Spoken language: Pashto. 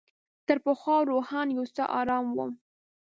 تر پخوا روحاً یو څه آرام وم.